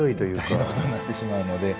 大変なことになってしまうので。